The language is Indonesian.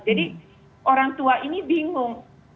jadi orang tua ini bingung